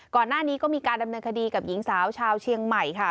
ก่อนหน้านี้ก็มีการดำเนินคดีกับหญิงสาวชาวเชียงใหม่ค่ะ